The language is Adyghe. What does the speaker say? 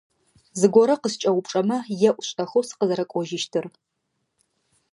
Зыгорэ къыскӏэупчӏэмэ, еӏу шӏэхэу сыкъызэрэкӏожьыщтыр.